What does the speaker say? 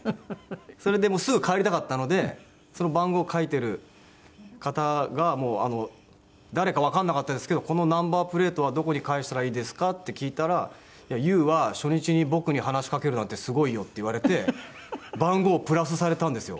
それでもうすぐ帰りたかったのでその番号書いてる方が誰かわからなかったんですけど「このナンバープレートはどこに返したらいいですか？」って聞いたら「ユーは初日に僕に話しかけるなんてすごいよ！」って言われて番号をプラスされたんですよ。